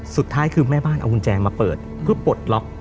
สุดท้ายคือแม่บ้านเอากุญแจมาเปิดเพื่อปลดล็อก